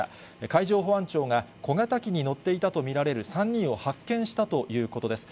海上保安庁が、小型機に乗っていたと見られる３人を発見したということです。